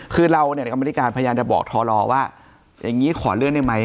คือเราเนี่ยในกรรมธิการพยายามจะบอกทรว่าอย่างนี้ขอเลื่อนได้ไหม